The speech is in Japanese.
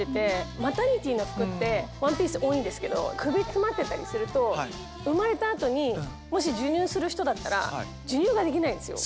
マタニティーの服ってワンピース多いんですけど首詰まってたりすると生まれた後にもし授乳する人だったら授乳ができないんですよ。